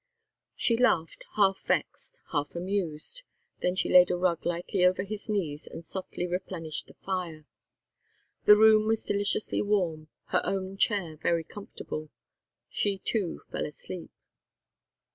She laughed, half vexed, half amused. Then she laid a rug lightly over his knees, and softly replenished the fire. The room was deliciously warm, her own chair very comfortable. She too fell asleep.